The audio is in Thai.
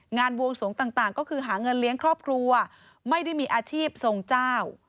บวงสวงต่างก็คือหาเงินเลี้ยงครอบครัวไม่ได้มีอาชีพทรงเจ้า